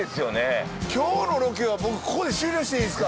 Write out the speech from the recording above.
今日のロケは僕ここで終了していいですか。